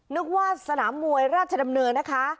นึกว่าสนามมวยราชดำเนินนะคะ